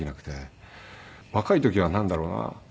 若い時はなんだろうな。